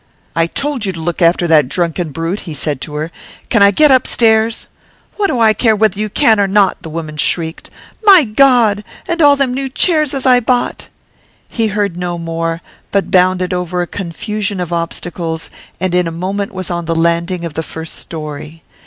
'I told you to look after that drunken brute;' he said to her. 'Can I get upstairs?' 'What do I care whether you can or not!' the woman shrieked. 'My God! And all them new chairs as I bought !' He heard no more, but bounded over a confusion of obstacles, and in a moment was on the landing of the first storey.